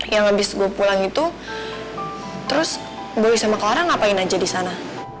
yang abis gua pulang itu terus boy sama clara ngapain aja di sana